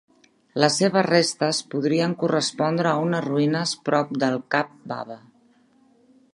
Les seves restes podrien correspondre a unes ruïnes prop del Cap Baba.